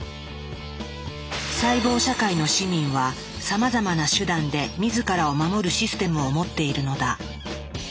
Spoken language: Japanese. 細胞社会の市民はさまざまな手段で自らを守るシステムを持っているのだ。